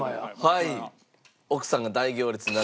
はい奥さんが大行列に並んだ。